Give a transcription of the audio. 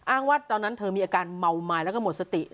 ว่าตอนนั้นเธอมีอาการเมาไม้แล้วก็หมดสติ